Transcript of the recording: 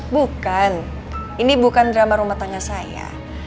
bukan ini bukan drama rumah tangga saya